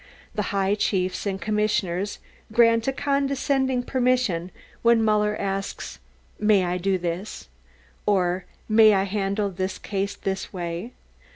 The high chiefs and commissioners grant a condescending permission when Muller asks, "May I do this? ... or may I handle this case this way?"